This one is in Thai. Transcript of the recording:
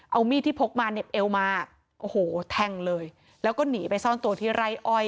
เอามีดที่พกมาเหน็บเอวมาโอ้โหแทงเลยแล้วก็หนีไปซ่อนตัวที่ไร่อ้อย